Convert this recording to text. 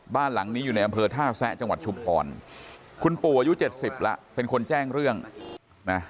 บ้านหลังนี้อยู่ในอำเภอท่าแซะจังหวัดชุมพรคุณปู่อายุเจ็ดสิบแล้วเป็นคนแจ้งเรื่องนะ